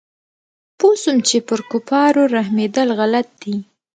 پوه سوم چې پر کفارو رحمېدل غلط دي.